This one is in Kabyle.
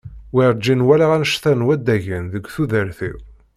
Werǧin walaɣ annect-a n waddagen deg tudert-iw.